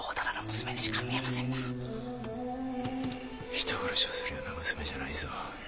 人殺しをするような娘じゃないぞ。